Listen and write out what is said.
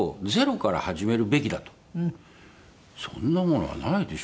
「そんなものはないでしょ？